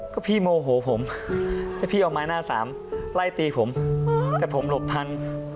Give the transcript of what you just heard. ก็พี่โมโหผมให้พี่เอาไม้หน้าสามไล่ตีผมแต่ผมหลบทัน